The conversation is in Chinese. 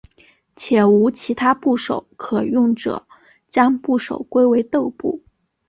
且无其他部首可用者将部首归为豆部。